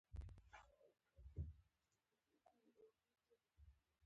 له یوه حقیقت سره دوه ګونی چلند یو شان دی.